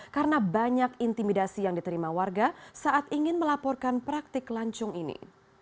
karena banyak intimidasi yang diterima warga saat ingin melaporkan praktik lancung ini